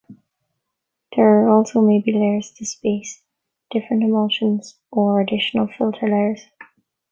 There also may be layers to space different emulsions, or additional filter layers.